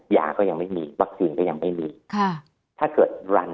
ยาก็ยังไม่มีวัคซีนก็ยังไม่มี